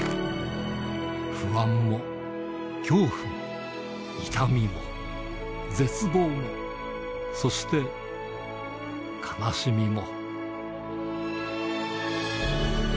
不安も、恐怖も、痛みも、絶望も、そして悲しみも。